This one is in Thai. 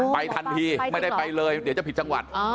ไปทันทีไม่ได้ไปเลยเดี๋ยวจะผิดจังหวัด